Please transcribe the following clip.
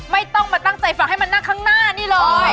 ไม่ต้องมาตั้งใจฟังให้มันนั่งข้างหน้านี่เลย